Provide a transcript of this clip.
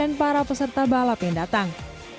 para peserta balap yang datang